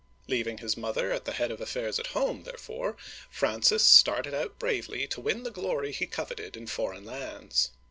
Leaving his mother at the head of affairs at home, therefore, Francis started out bravely to win the glory he coveted in foreign lands.